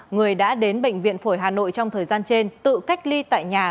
người đã đến bệnh viện phổi hà nội trong thời gian trên tự cách ly tại nhà